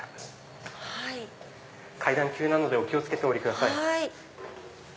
階段急なのでお気を付けてお下りください。